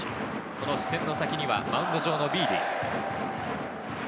その視線の先にはマウンド上のビーディ。